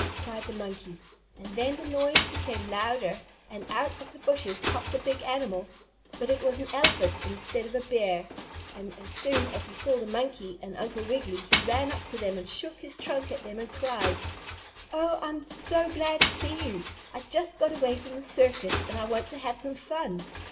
cried the monkey. And then the noise became louder and out from the bushes popped a big animal. But it was an elephant instead of a bear, and as soon as he saw the monkey and Uncle Wiggily he ran up to them and shook his trunk at them and cried: "Oh, I'm so glad to see you! I just got away from the circus, and I want to have some fun!"